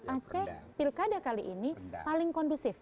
aceh pilkada kali ini paling kondusif